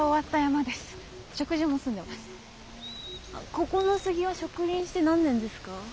ここのスギは植林して何年ですか？